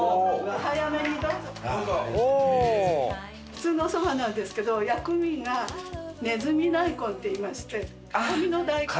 普通のお蕎麦なんですけど薬味がねずみ大根っていいまして辛みの大根。